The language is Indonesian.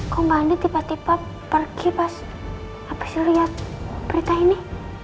kok bandit tiba tiba pergi pas habis lihat berita ini